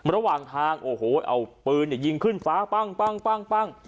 ระหว่างทางโอ้โหเอาปืนเนี่ยยิงขึ้นฟ้าปั้งปั้งปั้งปั้ง